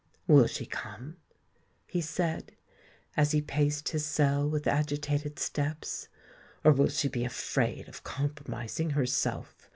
"Will she come?" he said, as he paced his cell with agitated steps. "Or will she be afraid of compromising herself?